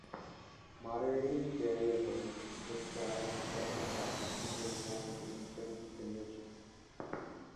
Moderating variables describe what effects will hold in certain conditions.